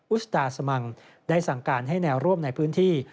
อุสดาสมังได้สั่งการให้แนวร่วมในพื้นที่